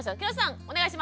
お願いします。